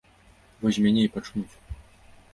Вось з мяне і пачнуць.